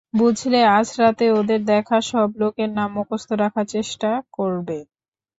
বুঝলে, আজ রাতে ওখানে দেখা সব লোকের নাম মুখস্ত রাখার চেষ্টা করবে।